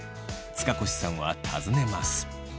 塚越さんは尋ねます。